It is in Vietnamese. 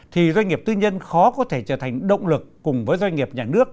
thì doanh nghiệp tư nhân khó có thể trở thành động lực cùng với doanh nghiệp nhà nước